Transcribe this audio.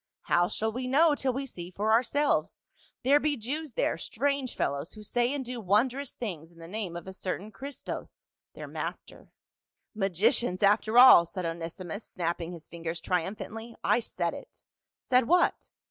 " How shall we know till we see for ourselves ; there be Jews there, strange fellows, who say and do wondrous things in the name of a certain Chrestos, their master." 238 PA UL. " Magicians after all !" said Onesimus, snapping his fingers triumphantly. " I said it," "Said what?"